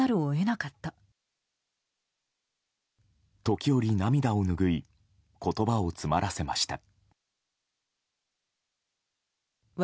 時折、涙をぬぐい言葉を詰まらせました。